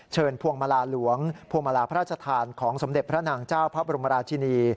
พวงมาลาหลวงพวงมาลาพระราชทานของสมเด็จพระนางเจ้าพระบรมราชินี